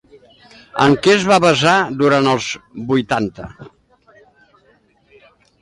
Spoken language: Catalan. En què es va basar durant els vuitanta?